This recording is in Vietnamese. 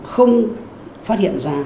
không phát hiện ra